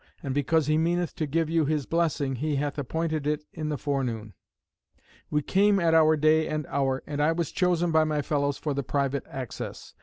And because he meaneth to give you his blessing, he hath appointed it in the forenoon." We came at our day and hour, and I was chosen by my fellows for the private access.